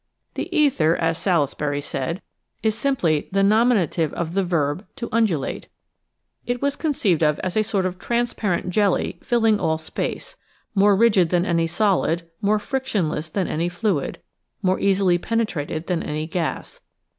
The ether, as Salisbury said, is simply the nomina tive of the verb " to undulate." It was conceived of as a sort of transparent jelly filling all space, more rigid than any solid, more frictionless than any fluid, more easily penetrated than any gas.